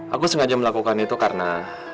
aku sengaja melakukan itu karena